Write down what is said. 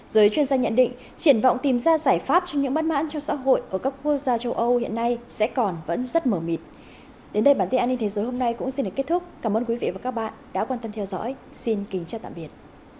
giới chuyên gia nhận định triển vọng tìm ra giải pháp cho những bất mãn cho xã hội ở các quốc gia châu âu hiện nay sẽ còn vẫn rất mờ mịt